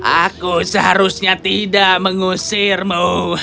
aku seharusnya tidak mengusirmu